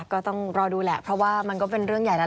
ก็ต้องรอดูแหละเพราะว่ามันก็เป็นเรื่องใหญ่แล้ว